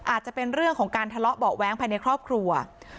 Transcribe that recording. อาจจะเป็นเรื่องของการทะเลาะเบาะแว้งภายในครอบครัว